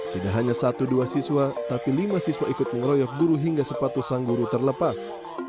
tidak hanya satu dua siswa tapi lima siswa ikut mengeroyok guru hingga sepatu sang guru terlepas